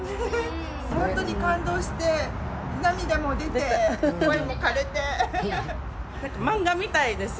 本当に感動して、涙も出て、声もかれて。